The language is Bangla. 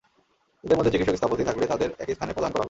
এদের মধ্যে চিকিৎসক দম্পতি থাকলে তাঁদের একই স্থানে পদায়ন করা হবে।